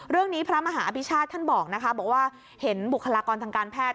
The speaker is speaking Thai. พระมหาอภิชาติท่านบอกนะคะบอกว่าเห็นบุคลากรทางการแพทย์